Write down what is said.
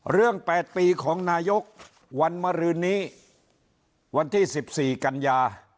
เรื่อง๘ปีของนายกวันมรินิวันที่๑๔กัญญา